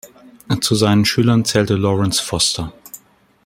Zu seinen Schülern zählte Lawrence Foster.